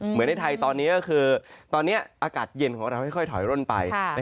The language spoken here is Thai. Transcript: ในไทยตอนนี้ก็คือตอนนี้อากาศเย็นของเราค่อยถอยร่นไป